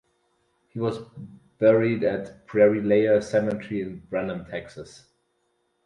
He was buried at Prairie Lea Cemetery in Brenham, Texas.